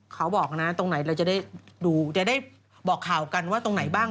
เขาบอกนะตรงไหนเราจะได้ดูจะได้บอกข่าวกันว่าตรงไหนบ้าง